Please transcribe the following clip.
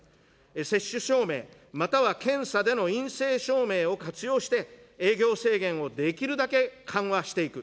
接種証明、または検査での陰性証明を活用して、営業制限をできるだけ緩和していく。